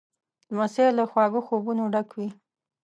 لمسی له خواږه خوبونو ډک وي.